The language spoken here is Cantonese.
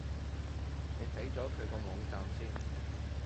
你睇咗佢個網站先